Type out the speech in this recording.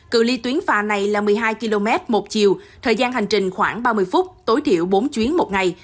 cự ly tuyến pha này là một mươi hai km một chiều thời gian hành trình khoảng ba mươi phút tối thiểu bốn chuyến một ngày